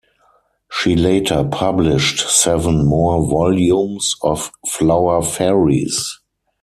She later published seven more volumes of Flower Fairies.